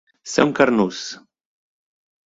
Ser un carnús.